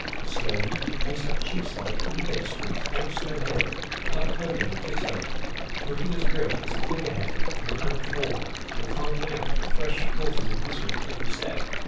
Slowly he paced up Cheapside, Newgate Street, down Snow Hill, and up Holborn ditto, looking as grim as the figure head of a man of war, and finding out fresh causes of misery at every step.